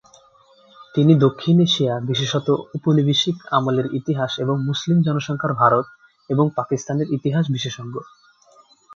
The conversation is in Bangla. তিনি দক্ষিণ এশিয়া, বিশেষত উপনিবেশিক আমলের ইতিহাস এবং মুসলিম জনসংখ্যার ভারত এবং পাকিস্তানের ইতিহাস বিশেষজ্ঞ।